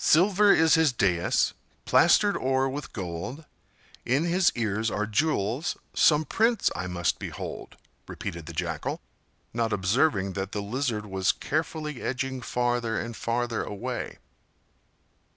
"Silver is his dais, plastered o'er with gold; In his ears are jewels,—some prince I must behold!" repeated the Jackal, not observing that the Lizard Was carefully edging farther and farther away.